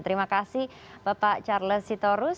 terima kasih bapak charles sitorus